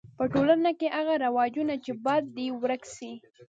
په ټولنه کی هغه رواجونه چي بد دي ورک سي.